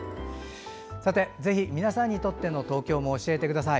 ぜひ皆さんにとっての東京も教えてください。